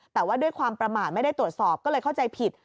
แต่ว่าด้วยความประมาทไม่ได้ตรวจสอบก็เลยเข้าใจผิด